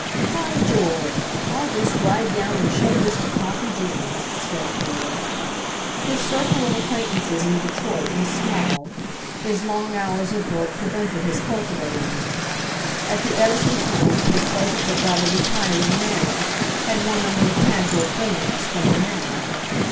"By George! I'll just ride down and show this to Coffee Jim," said Ford. His circle of acquaintances in Detroit was small ; his long hours of work prevented his cul tivating them. At the Edison plant his pleasant but rather retiring manner had won only a casual friendliness from the men.